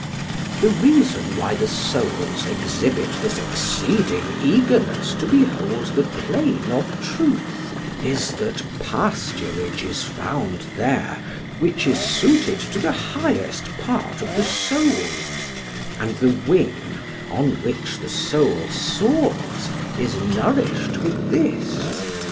The reason why the souls exhibit this exceeding eagerness to behold the plain of truth is that pasturage is found there, which is suited to the highest part of the soul; and the wing on which the soul soars is nourished with this.